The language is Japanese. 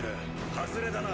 ハズレだな。